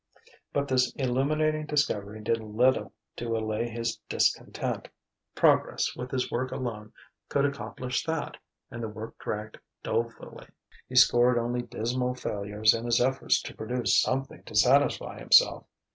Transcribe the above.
But this illuminating discovery did little to allay his discontent: progress with his work alone could accomplish that; and the work dragged dolefully; he scored only dismal failures in his efforts to produce something to satisfy himself.